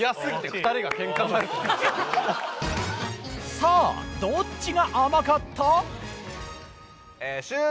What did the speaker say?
さあどっちが甘かった？